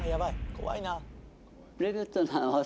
怖いな。